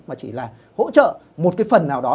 mà chỉ là hỗ trợ một cái phần nào đó